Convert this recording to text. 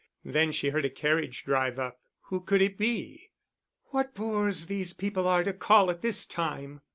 Then she heard a carriage drive up. Who could it be? "What bores these people are to call at this time!"